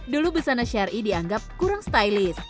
dulu busana syari'i dianggap kurang stylish